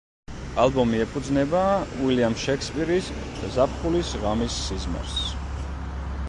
ალბომი ეფუძნება უილიამ შექსპირის „ზაფხულის ღამის სიზმარს“.